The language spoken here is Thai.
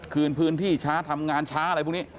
คืนพื้นที่ช้าทำงานช้าอะไรพวกนี้